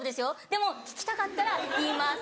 でも聞きたかったら言います。